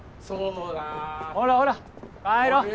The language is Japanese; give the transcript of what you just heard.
ほらほら帰ろ。